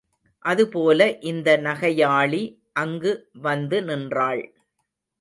அதுபோல இந்த நகையாளி அங்கு வந்து நின்றாள்.